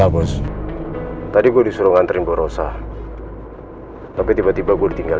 panik ya dia